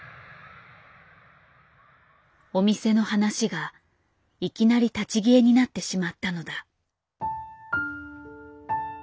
お店の話がいきなり立ち消えになってしまったのだ。